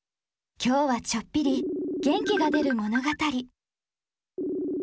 今日はちょっぴり元気が出る物語。